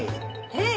へえ。